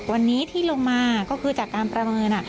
วันนี้ที่ลงมาก็คือจากการประเมิน